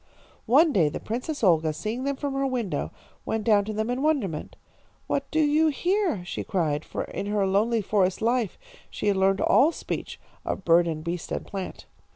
"One day the Princess Olga, seeing them from her window, went down to them in wonderment. 'What do you here?' she cried, for in her lonely forest life she had learned all speech of bird and beast and plant.